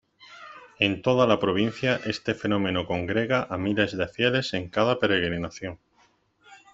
En toda la provincia, este fenómeno congrega a miles de fieles en cada peregrinación.